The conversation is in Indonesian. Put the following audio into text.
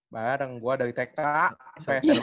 bareng gue dari tekta sampai sma ya